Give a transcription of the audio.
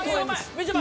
みちょぱ！